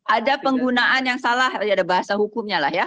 ada penggunaan yang salah ada bahasa hukumnya lah ya